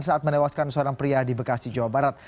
saat menewaskan seorang pria di bekasi jawa barat